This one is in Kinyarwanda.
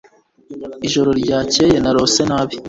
Ijoro ryakeye narose nabi